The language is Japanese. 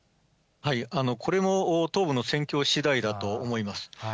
これも東部の戦況しだいだと思います。